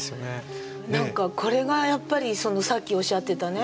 何かこれがやっぱりさっきおっしゃってたね